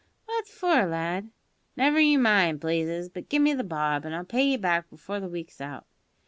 "What for, lad?" "Never you mind, Blazes; but give me the bob, an' I'll pay you back before the week's out."